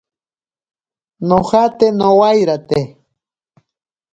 Nojate nowairate.